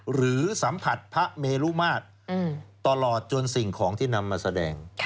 หรือสัมผัสพระเมรุมาตรตลอดจนสิ่งของที่นำมาแสดง